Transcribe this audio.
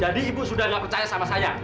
jadi ibu sudah gak percaya sama saya